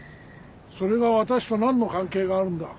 それが私と何の関係があるんだ？